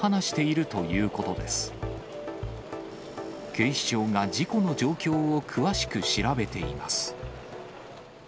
警視庁が事故の状況を詳しく調べています。